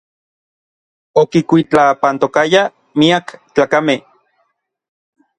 Okikuitlapantokayaj miak tlakamej.